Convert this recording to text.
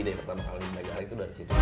itu ide pertama kali itu dari situ